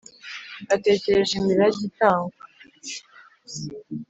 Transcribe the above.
Natekereje imirage itangwa